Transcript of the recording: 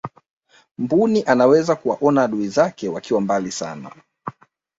mbuni anaweza kuwaona adui zake wakiwa mbali sana